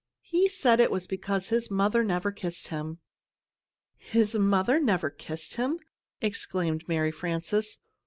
"He said it was because his mother never kissed him." "His mother never kissed him!" exclaimed Mary Frances.